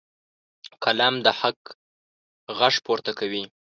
قلم د حق غږ پورته کوي.